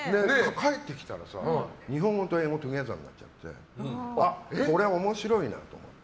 帰ってきたらさ日本語と英語がトゥギャザーになっちゃってこれは面白いなと思って。